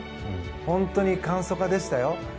本当に簡素化でしたよ。